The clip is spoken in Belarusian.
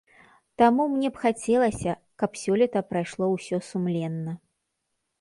Таму мне б хацелася, каб сёлета прайшло ўсё сумленна.